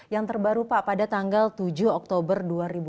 yang terbaru pak pada tanggal tujuh oktober dua ribu dua puluh